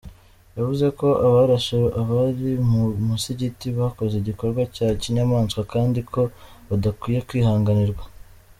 Yavuze ko abarashe abari mu musigiti bakoze igikorwa cya kinyamaswa kandi ko badakwiye kwihanganirwa.